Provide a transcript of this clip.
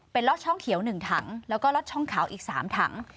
เป็นล็อตช่องเขียว๑ถังแล้วก็ล็อตช่องขาวอีก๓ถัง